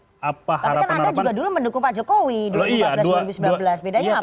tapi kan anda juga dulu mendukung pak jokowi dua ribu empat belas dua ribu sembilan belas bedanya apa